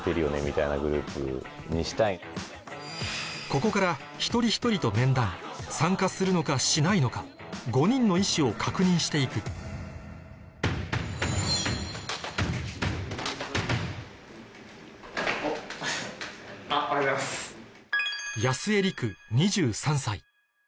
ここから一人一人と面談参加するのかしないのか５人の意思を確認して行くあっありがとうございます。